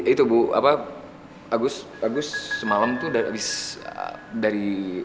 itu bu agus semalam tuh habis dari